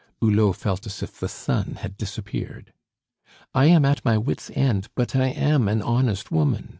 Hulot felt as if the sun had disappeared. "I am at my wits' end, but I am an honest woman!"